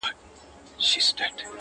چي تل نوي کفن کښ یو زورولي.!